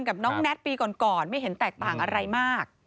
กับน้องแน็ตปีก่อนไม่เห็นแตกต่างอะไรมาก